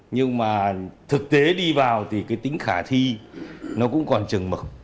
nhưng mà thực tế đi vào thì cái tính khả thi nó cũng còn trừng mực